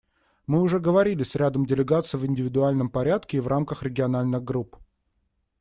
Мы уже говорили с рядом делегаций в индивидуальном порядке и в рамках региональных групп.